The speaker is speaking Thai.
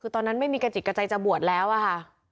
คือตอนนั้นไม่มีกระจิตกระใจจะบวชแล้วอะค่ะ